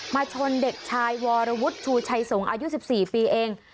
ชนเด็กชายวรวุฒิชูชัยสงฆ์อายุ๑๔ปีเอง